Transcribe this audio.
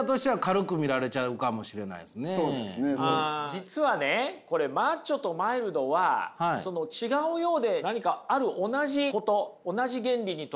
実はねこれマッチョとマイルドは違うようで何か何やろう？